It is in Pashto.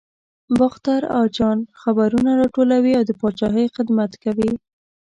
باختر اجان خبرونه راټولوي او د پاچاهۍ خدمت کوي.